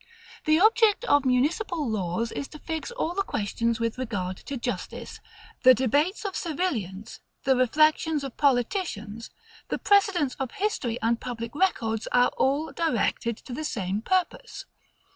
The object of municipal laws is to fix all the questions with regard to justice: the debates of civilians; the reflections of politicians; the precedents of history and public records, are all directed to the same purpose.